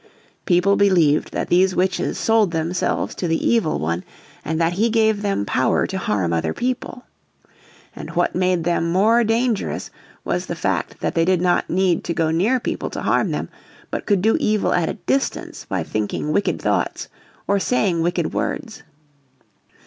People believed that these witches sold themselves to the Evil One, and that he gave them power to harm other people. And what made them more dangerous was the fact that they did not need to go near people to harm them, but could do evil at a distance by thinking wicked thoughts, or saying wicked words.